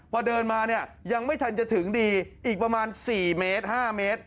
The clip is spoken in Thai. พอเดินมายังไม่ทันจะถึงดีอีกประมาณ๔๕เมตร